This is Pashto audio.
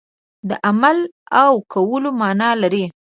د عمل او کولو معنا لري.